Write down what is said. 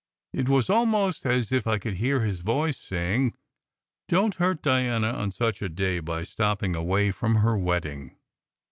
It was almost as if I could hear his voice saying, "Don t hurt Diana on such a day by stopping away from her wed ding."